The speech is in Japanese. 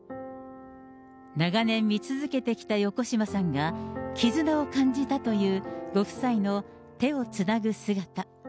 長年見続けてきた横島さんが、絆を感じたというご夫妻の手をつなぐ姿。